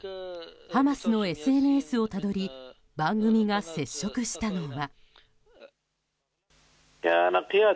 ハマスのＳＮＳをたどり番組が接触したのは。